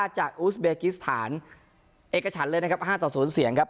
จากอูสเบกิสถานเอกชันเลยนะครับห้าต่อสูญเสียงครับ